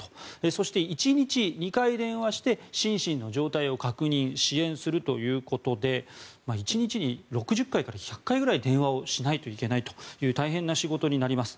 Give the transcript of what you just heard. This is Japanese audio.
そして、１日２回電話して心身の状態を確認支援するということで１日に６０回から１００回ぐらい電話をしないといけないという大変な仕事になります。